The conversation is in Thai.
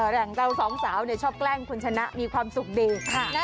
แหล่งเราสองสาวชอบแกล้งคุณชนะมีความสุขดี